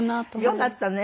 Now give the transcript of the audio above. よかったね。